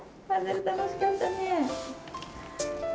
楽しかったね。